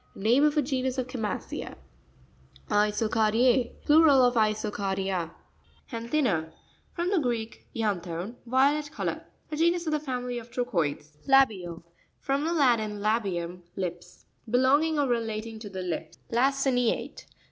Name of a genus of Chama'cea (page 82). Iso'carD1£,—Plural of Isocardia. Jantu'na.—From the Greek, ianthon, violet colour. A genus of the family of 'Trochoides. La'BiaL.—From the Latin, labium, lip. Belonging or relating to the lips. Laci'nraTE.